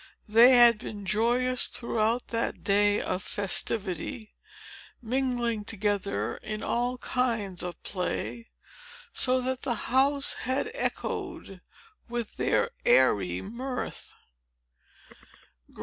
They had been joyous, throughout that day of festivity, mingling together in all kinds of play, so that the house had echoed with their airy mirth.